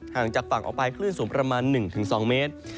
งจากฝั่งออกไปคลื่นสูงประมาณ๑๒เมตร